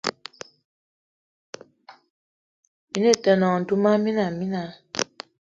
Mini te nòṅ duma mina mina